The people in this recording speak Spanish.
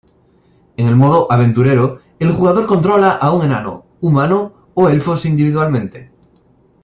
En el "modo aventurero" el jugador controla a un enano, humano o elfos individualmente.